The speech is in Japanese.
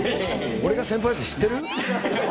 俺が先輩って知ってる？